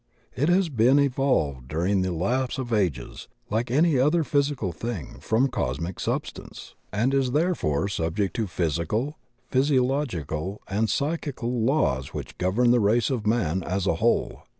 It has been evolved during the lapse of ages, like any other physi cal thing, from cosmic substance, and is therefore subject to physical, physiological, and psychical laws which govern the race of man as a whole.